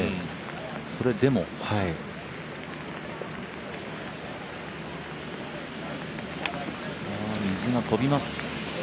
それでも水が飛びます。